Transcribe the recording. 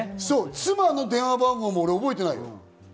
妻の電話番号も覚えてないよ。